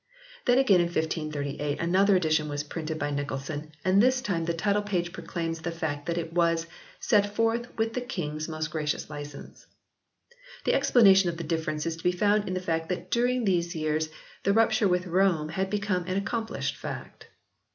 Then again in 1538 another edition was printed by Nycolson and this time the title page proclaims the fact that it was "Set forth wyth the Kynges moost gracious licence." The explanation of the difference is to be found in the fact that during these years the rupture with Rome had become an accomplished fact.